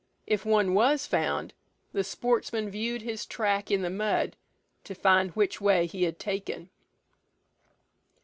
If one was found, the sportsmen viewed his track in the mud, to find which way he had taken.